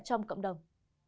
trong cộng đồng